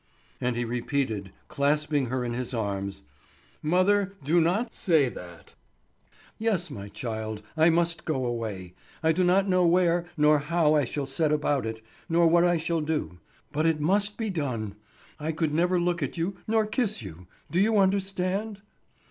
And he repeated, clasping her in his arms: "Mother, do not say that." "Yes, my child, I must go away. I do not know where, nor how I shall set about it, nor what I shall do; but it must be done. I could never look at you, nor kiss you, do you understand?"